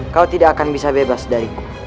kau tidak akan bisa bebas dariku